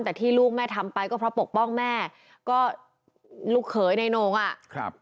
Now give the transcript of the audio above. แต่ที่ลูกแม่ทำไปก็เพราะปกป้องแม่ก็ลูกเขยในโน่งอ่ะครับ